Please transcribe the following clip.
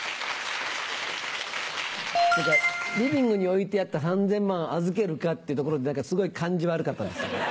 「リビングに置いてあった３０００万預けるか」っていうところで何かすごい感じ悪かったです。